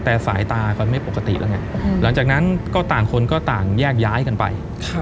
แต่สายตาก็ไม่ปกติแล้วไงหลังจากนั้นก็ต่างคนก็ต่างแยกย้ายกันไป